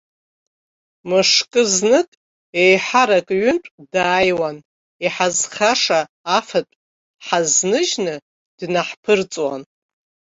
Мышкы знык, еиҳарак ҩынтә дааиуан, иҳазхаша афатә ҳазныжьны днаҳԥырҵуан.